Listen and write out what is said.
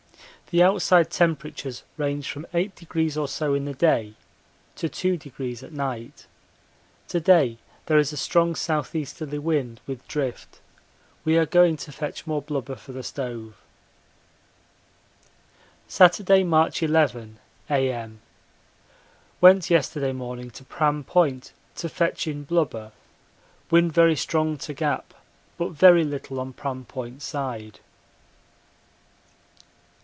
The outside temperatures range from 8° or so in the day to 2° at night. To day there is a strong S.E. wind with drift. We are going to fetch more blubber for the stove. Saturday, March 11, A.M. Went yesterday morning to Pram Point to fetch in blubber wind very strong to Gap but very little on Pram Point side.